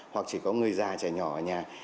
hoặc chỉ có người già trẻ nhỏ ở nhà